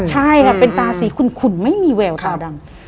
ใช่ค่ะเป็นตาสีขุนไม่มีแววตาดำ